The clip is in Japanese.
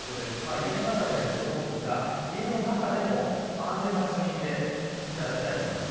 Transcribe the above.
家の中にはいると思いますが家の中でも安全な場所にいていただきたいです。